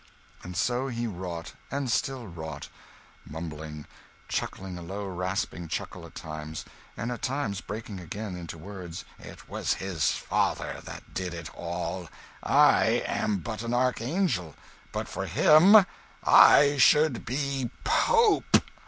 And so he wrought, and still wrought mumbling, chuckling a low rasping chuckle at times and at times breaking again into words "It was his father that did it all. I am but an archangel; but for him I should be pope!"